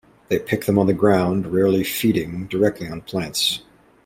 They pick them on the ground, rarely feeding directly on plants.